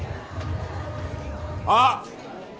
あっ